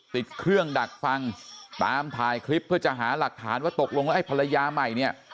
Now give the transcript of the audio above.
ติดเครื่องดักฟังตามถ่ายคลิปเพื่อจะหาหลักฐานว่าตกลงแล้วไอ้ภรรยาใหม่เนี่ย